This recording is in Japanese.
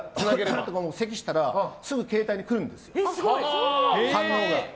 せきしたらすぐ携帯に来るんですよ。